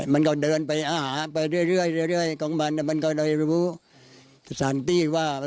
มันก็เดินไปหาไปเรื่อยของมันมันก็เลยรู้สถานที่ว่า